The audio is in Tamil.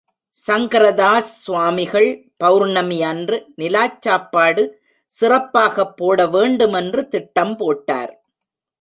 சங்கரதாஸ் சுவாமிகள், பெளர்ணமியன்று நிலாச் சாப்பாடு சிறப்பாகப் போடவேண்டுமென்று திட்டம் போட்டார்.